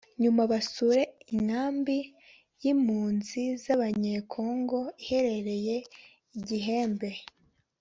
nyuma banasure inkambi y’impunzi z’abanyekongo iherereye i Gihembe